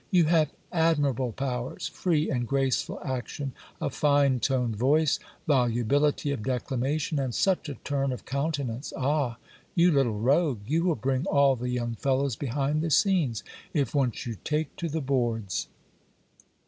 You have admirable powers, free and graceful action, a fine toned voice, volubility of declamation, and such a turn of countenance ! Ah ! you little rogue ! you will bring all the young fellows behind the scenes, if once you take to the boards